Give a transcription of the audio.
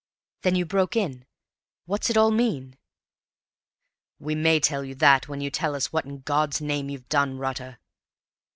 Then you broke in. What's it all mean?" "We may tell you that, when you tell us what in God's name you've done, Rutter!"